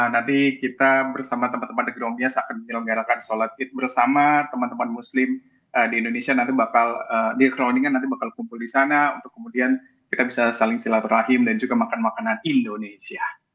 nanti kita bersama teman teman the growmias akan menyelenggarakan sholat id bersama teman teman muslim di indonesia nanti bakal di kroningan nanti bakal kumpul di sana untuk kemudian kita bisa saling silaturahim dan juga makan makanan indonesia